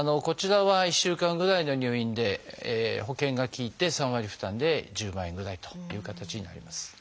こちらは１週間ぐらいの入院で保険が利いて３割負担で１０万円ぐらいという形になります。